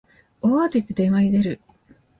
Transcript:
大慌てで電話に出る